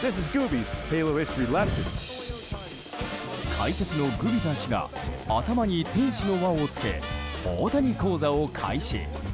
解説のグビザ氏が頭に天使の輪をつけ大谷講座を開始。